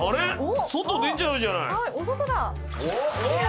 外出ちゃうじゃない。